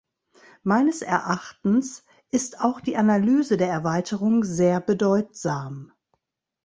Meines Erachtens ist auch die Analyse der Erweiterung sehr bedeutsam.